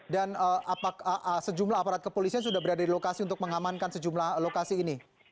dan sejumlah aparat kepolisian sudah berada di lokasi untuk mengamankan sejumlah lokasi ini